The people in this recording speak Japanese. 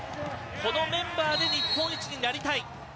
このメンバーで日本一になりたい。